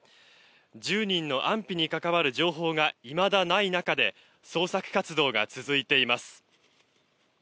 １０人の安否に関わる情報がいまだない中で捜索活動が続いています。